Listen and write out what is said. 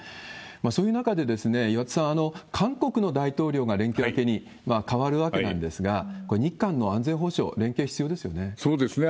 そういう中で、岩田さん、韓国の大統領が連休明けに替わるわけなんですが、これ、日韓の安そうですね。